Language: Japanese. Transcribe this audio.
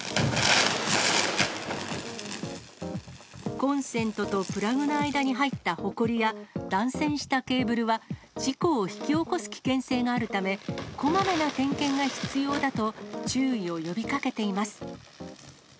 コンセントとプラグの間に入ったほこりや、断線したケーブルは、事故を引き起こす危険性があるため、こまめな点検が必要だと、注意を呼びかけています。